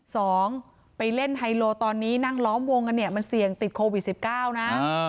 สองไปเล่นไฮโลตอนนี้นั่งล้อมวงมันเสี่ยงติดโควิด๑๙นะ